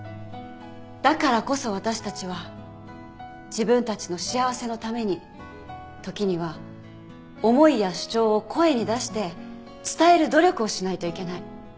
だからこそ私たちは自分たちの幸せのために時には思いや主張を声に出して伝える努力をしないといけない。